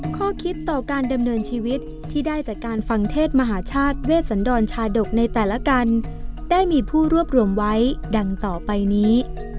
ข้อคิดต่อการดำเนินชีวิตที่ได้จากการฟังเทศมหาชาติเวชสันดรชาดกในแต่ละกันได้มีผู้รวบรวมไว้ดังต่อไปนี้